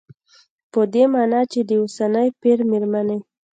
په دې مانا چې د اوسني پېر مېرمنې